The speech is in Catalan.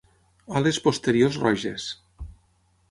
Ales posteriors roges.